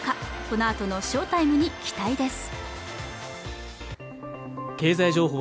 このあとの翔タイムに期待です